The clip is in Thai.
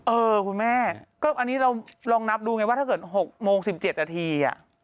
เออคุณแม่ก็อันนี้เราลองนับดูไงว่าถ้าเกิด๖โมง๑๗นาที